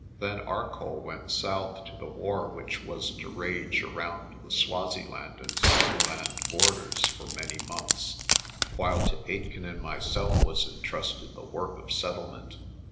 Then Arcoll went south to the war which was to rage around the Swaziland and Zululand borders for many months, while to Aitken and myself was entrusted the work of settlement.